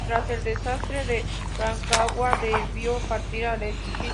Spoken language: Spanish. Tras el desastre de Rancagua debió partir al exilio.